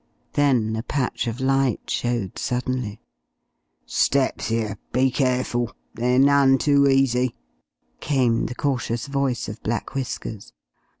Then a patch of light showed suddenly. "Steps here; be careful. They're none too easy," came the cautious voice of Black Whiskers.